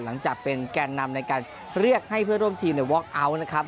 หลังจากเป็นแกนนำในการเรียกให้เพื่อนร่วมทีมในวอคเอาท์นะครับ